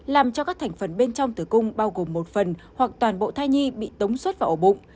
làm cho các thành phần bên trong tử cung bao gồm một phần hoặc toàn bộ thai nhi bị tống suất vào ổ bụng